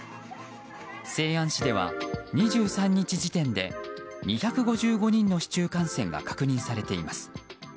西安市では、２３日時点で２５５人の市中感染が確認されています。